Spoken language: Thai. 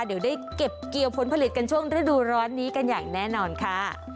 เดี๋ยวได้เก็บเกี่ยวผลผลิตกันช่วงฤดูร้อนนี้กันอย่างแน่นอนค่ะ